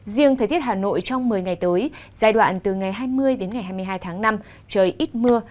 riêng thời tiết hà nội trong một mươi ngày tối giai đoạn từ ngày hai mươi hai mươi hai tháng năm trời ít mưa